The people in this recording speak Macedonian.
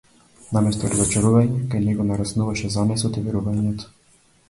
Наместо разочарување, кај него нараснуваше занесот и верувањето.